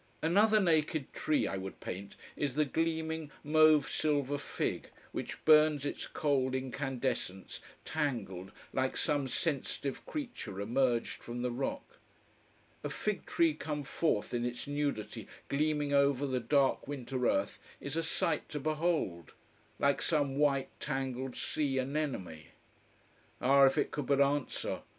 Another naked tree I would paint is the gleaming mauve silver fig, which burns its cold incandescence, tangled, like some sensitive creature emerged from the rock. A fig tree come forth in its nudity gleaming over the dark winter earth is a sight to behold. Like some white, tangled sea anemone. Ah, if it could but answer!